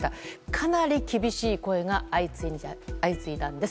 かなり厳しい声が相次いだんです。